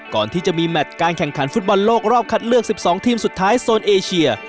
ก่อนที่จะมีแมทการแข่งขันฟุตบอลโลกรอบคัดเลือก๑๒ทีมสุดท้ายโซนเอเชีย